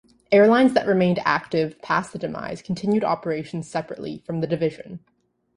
Airlines that remained active past the demise continued operations separately from the division.